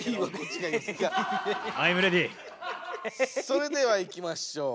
それではいきましょう。